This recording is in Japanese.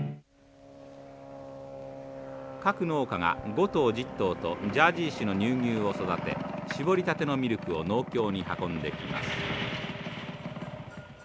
各農家が５頭１０頭とジャージー種の乳牛を育て搾りたてのミルクを農協に運んできます。